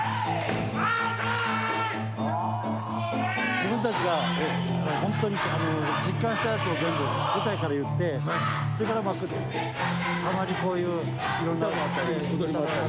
自分たちが本当に実感したやつを全部、舞台から言って、それから、たまにこういういろんな踊りもあったり。